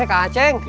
hei kak aceng